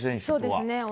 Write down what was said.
そうですね。